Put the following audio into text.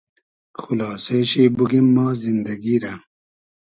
خولاسې شی بوگیم ما زیندئگی رۂ